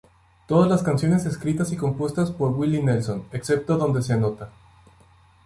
Todas las canciones escritas y compuestas por Willie Nelson excepto donde se anota.